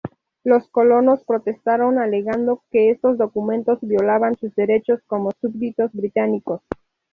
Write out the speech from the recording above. Los colonos protestaron alegando que estos documentos violaban sus derechos como súbditos británicos.